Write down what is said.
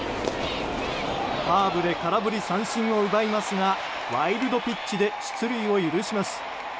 カーブで空振り三振を奪いますがワイルドピッチで出塁を許します。